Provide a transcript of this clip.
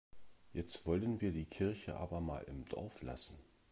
Jetzt wollen wir die Kirche aber mal im Dorf lassen.